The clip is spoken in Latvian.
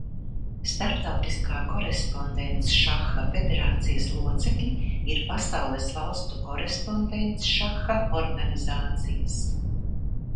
Starptautiskā Korespondencšaha federācijas locekļi ir pasaules valstu korespondencšaha organizācijas.